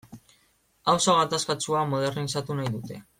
Auzo gatazkatsua modernizatu nahi dute.